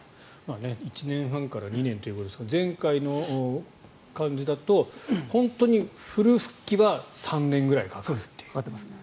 １年半から２年ということですが前回の感じだと本当にフル復帰は３年ぐらいかかるという。